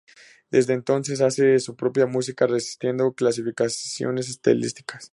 Desde entonces hace su propia música, resistiendo clasificaciones estilísticas.